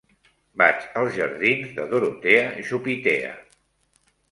Vaig als jardins de Dorotea Chopitea.